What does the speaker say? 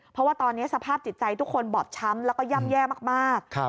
เพราะว่าตอนนี้สภาพจิตใจทุกคนบอบช้ำแล้วก็ย่ำแย่มาก